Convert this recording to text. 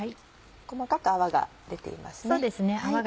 細かく泡が出ていますね。